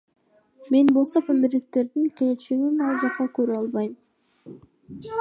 Мен болсо, памирликтердин келечегин ал жакта көрө албайм.